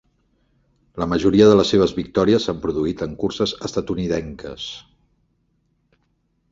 La majoria de les seves victòries s'han produït en curses estatunidenques.